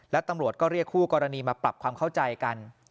และตำรวจก็เรียกคู่กรณีมาปรับความเข้าใจกัน